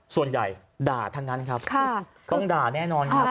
ส่วนใหญ่ด่าทั้งนั้นครับต้องด่าแน่นอนครับ